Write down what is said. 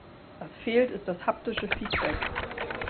Was fehlt, ist das haptische Feedback.